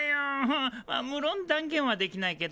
あっむろん断言はできないけどね。